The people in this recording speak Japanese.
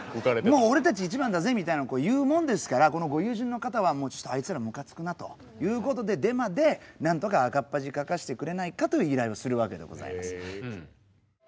俺たち一番だぜみたいなこう言うもんですからご友人の方はちょっとあいつらムカつくなということでデマでなんとか赤っ恥かかしてくれないかと依頼をするわけでございます。